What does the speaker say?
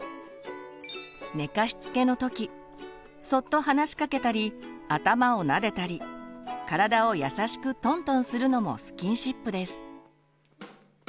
寝かしつけの時そっと話しかけたり頭をなでたり体を優しくトントンするのもスキンシップです。